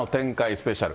スペシャル！